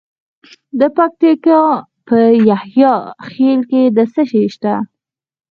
د پکتیکا په یحیی خیل کې څه شی شته؟